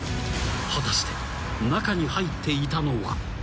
［果たして中に入っていたのは］